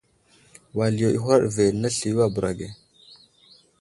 Wal yo i huraɗ ve, nəsliyo a bəra ge.